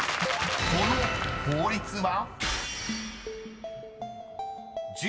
［この法律は？］